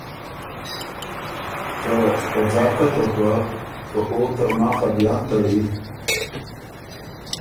که په ځاکه ته پۀ، که او ترماخ ا بیان تړی،